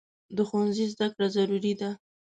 د ښوونځي زده کړه ضروري ده.